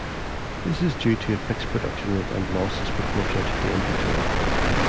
This is due to a fixed production rate and losses proportional to the inventory.